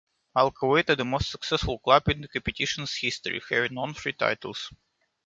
Al-Kuwait are the most successful club in the competition's history, having won three titles.